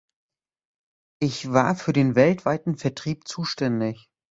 Ich war für den weltweiten Vertrieb zuständig.